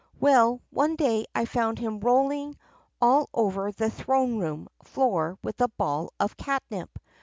"Well, one day I found him rolling all over the throne room floor with a ball of catnip.